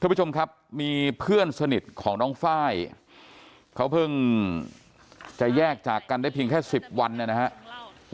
ผู้ชมครับมีเพื่อนสนิทของน้องไฟล์เขาเพิ่งจะแยกจากกันได้เพียงแค่สิบวันนะครับ